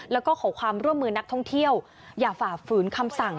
แล้วก็ขอความร่วมมือนักท่องเที่ยวอย่าฝ่าฝืนคำสั่ง